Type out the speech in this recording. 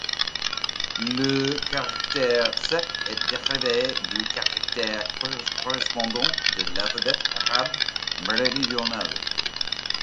Le caractère ገ est dérivé du caractère correspondant de l'alphabet arabe méridional.